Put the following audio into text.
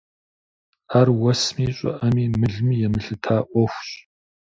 Ар уэсми, щӀыӀэми, мылми емылъыта Ӏуэхущ.